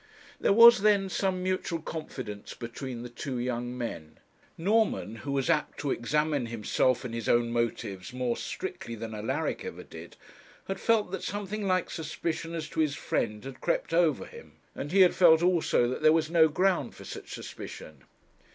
There was then some mutual confidence between the two young men. Norman, who was apt to examine himself and his own motives more strictly than Alaric ever did, had felt that something like suspicion as to his friend had crept over him; and he had felt also that there was no ground for such suspicion.